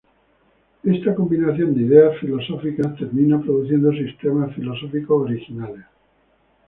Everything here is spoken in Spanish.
Esta combinación de ideas filosóficas termina produciendo sistemas filosóficos originales.